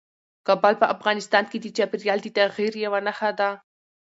کابل په افغانستان کې د چاپېریال د تغیر یوه نښه ده.